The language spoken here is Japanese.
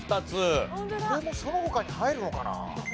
これもそのほかに入るのかな？